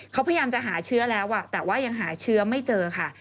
เขาพยายามจะหาเชื้อแล้วแต่ว่ายังหาเชื้อไม่เจอค่ะ